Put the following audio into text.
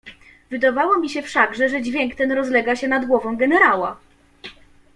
"Wydawało mi się wszakże, że dźwięk ten rozlega się nad głową generała."